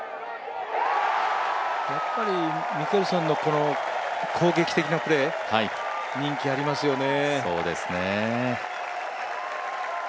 やっぱりミケルソンのこの攻撃的なプレー、人気ありますよね。